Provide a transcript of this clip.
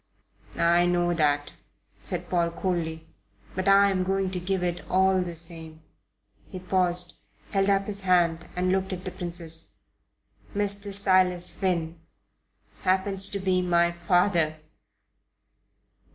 "I know that," said Paul, coldly; "but I am going to give it all the same." He paused, held up his hand and looked at the Princess. "Mr. Silas Finn happens to be my father."